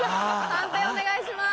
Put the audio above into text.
判定お願いします。